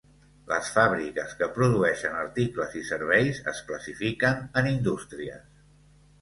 Les fàbriques que produeixen articles i serveis es classifiquen en indústries.